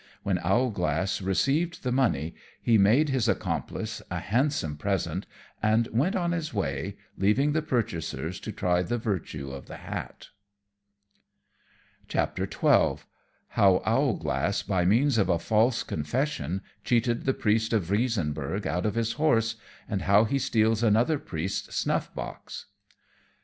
When Owlglass received the money he made his accomplice a handsome present and went on his way, leaving the purchasers to try the virtue of the hat. [Illustration: Owlglass paying the Landlady.] XII. _How Owlglass, by means of a false Confession, cheated the Priest of Riesenburgh out of his Horse; and how he steals another Priest's Snuff box.